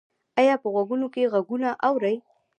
ایا په غوږونو کې غږونه اورئ؟